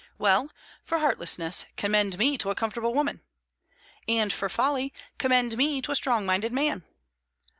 "Well, for heartlessness commend me to a comfortable woman." "And for folly commend me to a strong minded man."